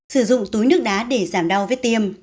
sử dụng túi nước đá để giảm đau vết viêm